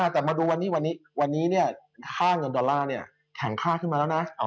แต่มาดูวันนี้วันนี้ค่าเงินดอลลาร์แข็งค่าขึ้นมาแล้วนะ